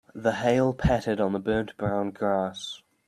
The hail pattered on the burnt brown grass.